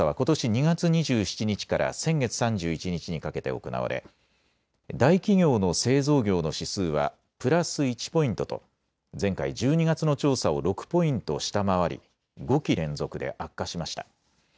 ２月２７日から先月３１日にかけて行われ大企業の製造業の指数はプラス１ポイントと前回１２月の調査を６ポイント下回り５期連続で悪化しました。